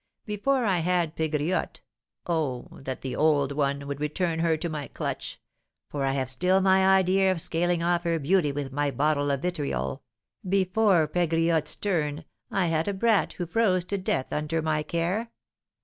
Before I had Pegriotte (oh! that the 'old one' would return her to my clutch! for I have still my idea of scaling off her beauty with my bottle of vitriol) before Pegriotte's turn, I had a brat who froze to death under my care.